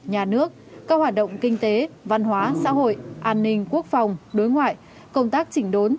nhà nước các hoạt động kinh tế văn hóa xã hội an ninh quốc phòng đối ngoại công tác chỉnh đốn